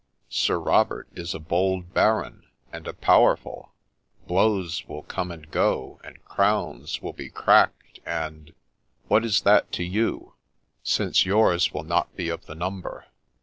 Sir Robert is a bold baron, and a powerful ;— blows will come and go, and crowns will be cracked and '' What is that to you, since yours will not be of the number